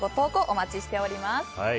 お待ちしております。